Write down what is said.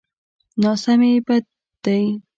ناسمي بد دی.